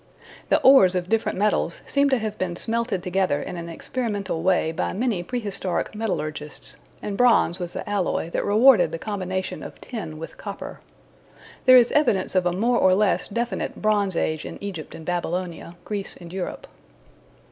The ores of different metals seem to have been smelted together in an experimental way by many prehistoric metallurgists, and bronze was the alloy that rewarded the combination of tin with copper. There is evidence of a more or less definite Bronze Age in Egypt and Babylonia, Greece and Europe.